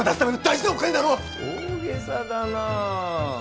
大げさだなあ。